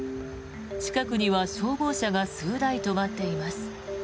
近くには消防車が数台止まっています。